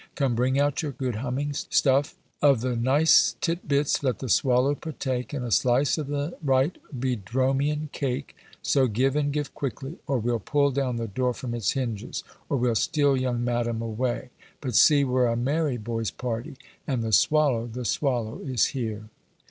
Come bring out your good humming stuff, Of the nice tit bits let the Swallow partake; And a slice of the right Boedromion cake. So give, and give quickly, Or we'll pull down the door from its hinges: Or we'll steal young madam away! But see! we're a merry boy's party, And the Swallow, the Swallow is here!